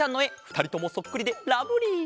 ふたりともそっくりでラブリー！